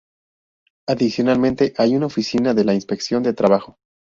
Adicionalmente, hay una oficina de la Inspección del Trabajo.